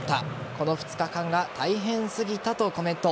この２日間が大変すぎたとコメント。